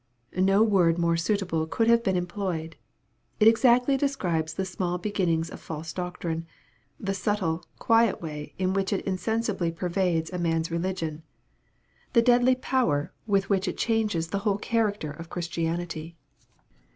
No word more suitable could have been employed. It exactly describes the small beginnings of false doctrine the subtle quiet way in which it insensi bly pervades a man's religion the deadly power with MARK, CHAP. VIII. 159 which it changes the whole character of his Christianity.